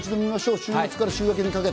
週末から週明けにかけて。